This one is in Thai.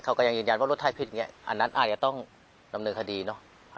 เขาก็ยังยืนยันว่ารถไทยผิดอย่างนี้อันนั้นอาจจะต้องดำเนินคดีเนอะ